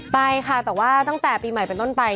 ไปค่ะแต่ว่าตั้งแต่ปีใหม่เป็นต้นไป